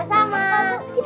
itu senang banget